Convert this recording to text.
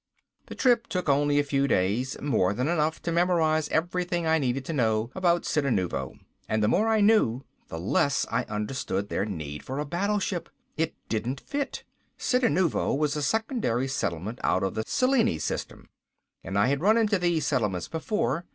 The trip took only a few days, more than enough time to memorize everything I needed to know about Cittanuvo. And the more I knew the less I could understand their need for a battleship. It didn't fit. Cittanuvo was a secondary settlement out of the Cellini system, and I had run into these settlements before.